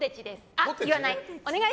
あ、言わない。